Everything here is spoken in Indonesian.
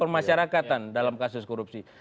permasyarakatan dalam kasus korupsi